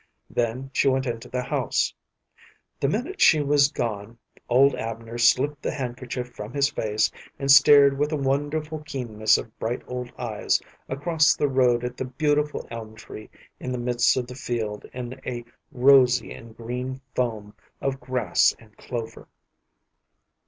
Then she went into the house. The minute she was gone old Abner slipped the handkerchief from his face, and stared with a wonderful keenness of bright old eyes across the road at the beautiful elm tree in the midst of the field in a rosy and green foam of grass and clover.